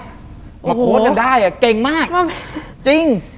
โอ้โหมาโค้ดกันได้อะเก่งมากจริง